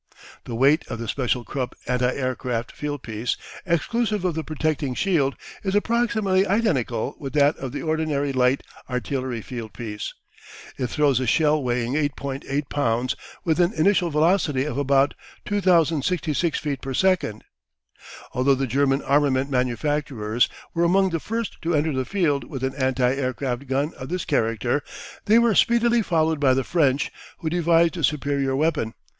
The weight of the special Krupp anti aircraft field piece, exclusive of the protecting shield, is approximately identical with that of the ordinary light artillery field piece. It throws a shell weighing 8.8 pounds with an initial velocity of about 2,066 feet per second. Although the German armament manufacturers were among the first to enter the field with an anti aircraft gun of this character they were speedily followed by the French, who devised a superior weapon.